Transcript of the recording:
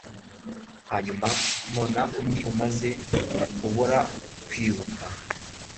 hanyuma mbona undi maze kubura kwibuka